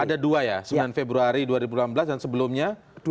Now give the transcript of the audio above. ada dua ya sembilan februari dua ribu delapan belas dan sebelumnya